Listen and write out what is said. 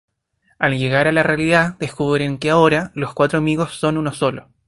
Al llegar a la realidad, descubren que ahora, los cuatro amigos son uno solo.